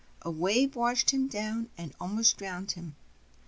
A wave washed him down and almost drowued him.